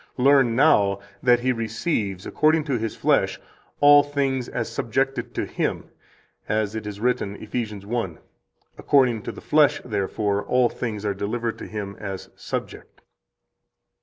Learn now that He receives, according to His flesh, all things as subjected to Him, as it is written, Eph. 1: According to the flesh, therefore, all things are delivered to Him as subject."